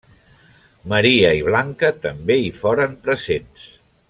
Maria i Blanca també i foren presents.